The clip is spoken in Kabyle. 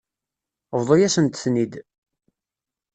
Bḍu-yasent-ten-id.